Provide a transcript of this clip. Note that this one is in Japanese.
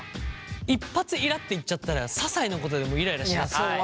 一発イラっていっちゃったらささいなことでもイライラしちゃう。